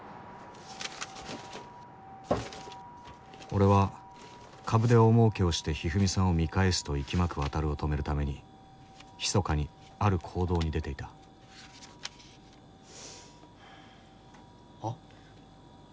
俺は株で大もうけをしてひふみさんを見返すといきまくワタルを止めるためにひそかにある行動に出ていたはっ？